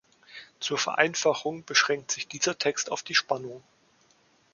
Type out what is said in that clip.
Zur Vereinfachung beschränkt sich dieser Text auf die Spannung.